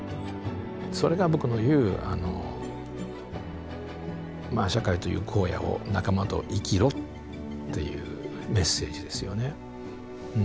それが僕の言う社会という荒野を仲間と生きろっていうメッセージですよね。